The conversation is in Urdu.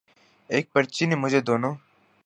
ایک پرچی نے مجھے دونوں